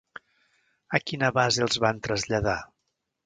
A quina base els van traslladar?